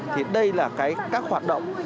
thì đây là các hoạt động